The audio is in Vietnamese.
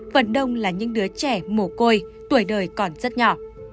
phần đông là những đứa trẻ mổ côi tuổi đời còn rất nhỏ